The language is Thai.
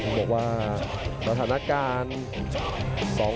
บอกว่าประธานการณ์